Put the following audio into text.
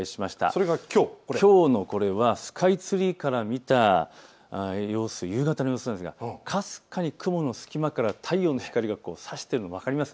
これはきょうのスカイツリーから見た夕方の様子なんですがかすかに雲の隙間から太陽の光がさしているの分かりますか。